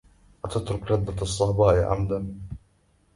أتترك لذة الصهباء عمدا